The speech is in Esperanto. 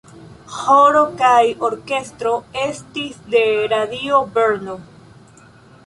Ĥoro kaj orkestro estis de Radio Brno.